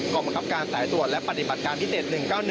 กองกำกับการสายตัวและปฏิบัติการพิเศษ๑๙๑